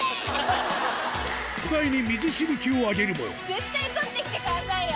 絶対採ってきてくださいよ。